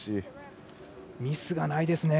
ミスがないですね。